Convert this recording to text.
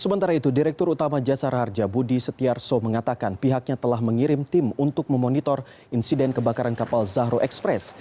sementara itu direktur utama jasara harja budi setiarso mengatakan pihaknya telah mengirim tim untuk memonitor insiden kebakaran kapal zahro express